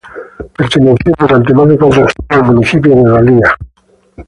Perteneció durante más de cuatro siglos al municipio de Dalías.